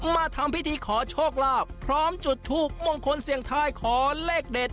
มาทำพิธีขอโชคลาภพร้อมจุดทูปมงคลเสียงทายขอเลขเด็ด